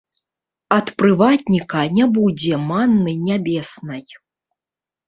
Ад прыватніка не будзе манны нябеснай.